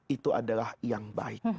itu adalah yang baik